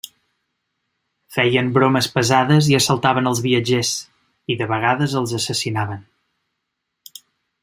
Feien bromes pesades i assaltaven els viatgers i de vegades els assassinaven.